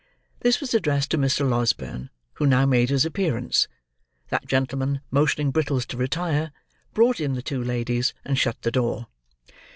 This was addressed to Mr. Losberne, who now made his appearance; that gentleman, motioning Brittles to retire, brought in the two ladies, and shut the door.